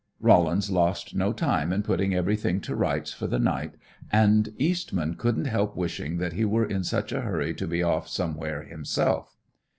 Rollins lost no time in putting everything to rights for the night, and Eastman couldn't help wishing that he were in such a hurry to be off somewhere himself.